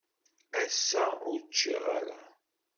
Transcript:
Ass-a, ur ččiɣ ara.